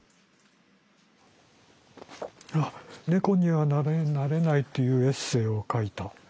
あっ「猫にはなれない」というエッセイを書いた。